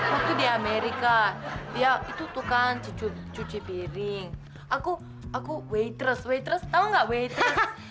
waktu di amerika dia itu tuh kan cuci piring aku aku waitress waitress tau gak waitress